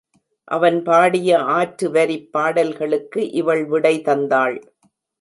அவன் பாடிய ஆற்று வரிப் பாடல்களுக்கு இவள் விடை தந்தாள்.